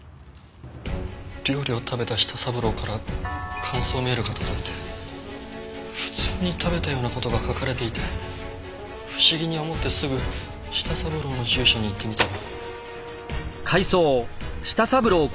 料理を食べた舌三郎から感想メールが届いて普通に食べたような事が書かれていて不思議に思ってすぐ舌三郎の住所に行ってみたら。